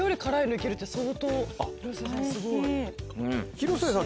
広末さん